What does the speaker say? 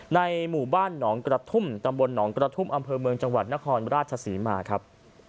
ในหมู่บ้านหนองกรกฑตำบลหนองกรกฑอเมืองจังหวัดนรศมาครับ